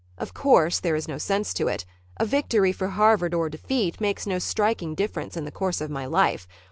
Of course, there is no sense to it. A victory for Harvard or a defeat makes no striking difference in the course of my life.